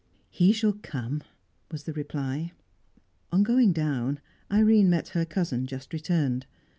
"He shall come," was the reply. On going down, Irene met her cousin, just returned.